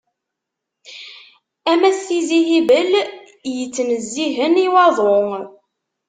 Am at tizi Hibel, yittnezzihen i waḍu.